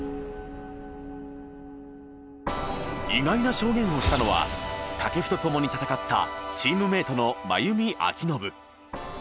意外な証言をしたのは掛布と共に戦ったチームメートの真弓明信。